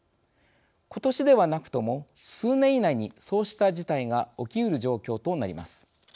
今年ではなくとも数年以内にそうした事態が起きうる状況となります。